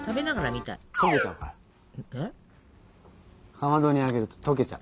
かまどにあげるととけちゃう。